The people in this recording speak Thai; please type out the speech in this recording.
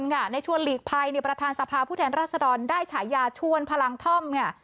ในช่วงหลีกภัยประธานสภาพฤทธิ์รัฐศรรณได้ฉายาชวนพลังธ่อม